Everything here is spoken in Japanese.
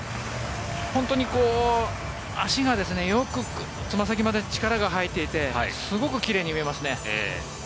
本当に足がよくつま先まで力が入っていてすごく奇麗に見えますね。